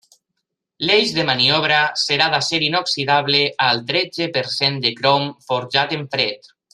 L'eix de maniobra serà d'acer inoxidable al tretze per cent de crom, forjat en fred.